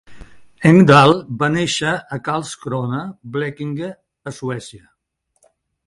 Engdahl va néixer a Karlskrona (Blekinge), a Suècia.